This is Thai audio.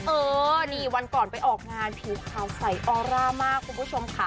เออนี่วันก่อนไปออกงานผิวขาวใสออร่ามากคุณผู้ชมค่ะ